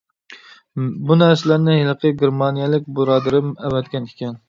بۇ نەرسىلەرنى ھېلىقى گېرمانىيەلىك بۇرادىرىم ئەۋەتكەن ئىكەن.